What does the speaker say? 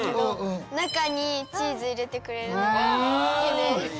私は中にチーズ入れてくれるのが好きです。